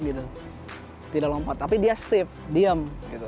lompat gitu tidak lompat tapi dia stiff diem